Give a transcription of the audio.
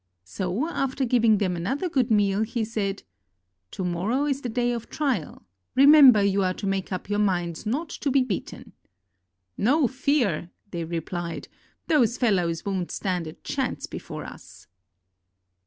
So, after giving them another good meal, he said: To morrow is the day of trial; remember you are to make up your minds not to be beaten." "No fear," they replied, "those fellows won't stand a chance before us!"